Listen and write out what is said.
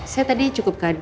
saya tadi cukup kaget sih